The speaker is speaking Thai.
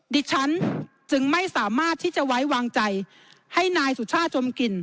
ดิฉันจึงไม่สามารถที่จะไว้วางใจให้นายสุชาติจมกลิ่น